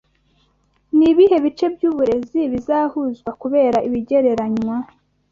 Ni ibihe bice byuburezi bizahuzwa kubera ibigereranywa